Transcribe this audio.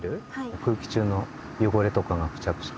空気中のよごれとかが付着して。